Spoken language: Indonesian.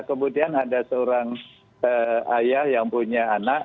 kemudian ada seorang ayah yang punya anak